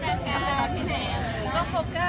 มันก็แม่นแมนอยู่แล้วค่ะ